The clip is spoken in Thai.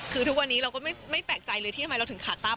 คือทุกวันนี้เราก็ไม่แปลกใจเลยที่ทำไมเราถึงขาตั๊